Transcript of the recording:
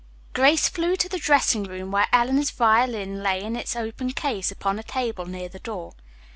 Grace flew to the dressing room, where Eleanor's violin lay in its open case upon a table near the door.